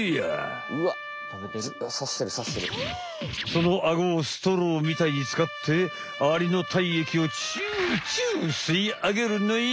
そのアゴをストローみたいにつかってアリの体液をチュウチュウ吸いあげるのよ。